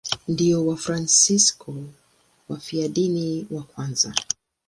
Ndio Wafransisko wafiadini wa kwanza.